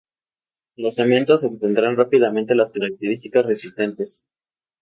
Los cementos obtendrán rápidamente las características resistentes.